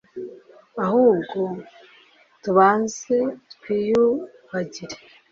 ahubwo tubanze twiyuhagire..